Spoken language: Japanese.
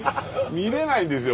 見れないんですよ